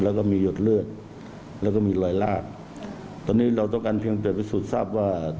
แล้วก็มีหยดเลือดแล้วก็มีรอยลากตอนนี้เราต้องการเพียงแต่พิสูจน์ทราบว่า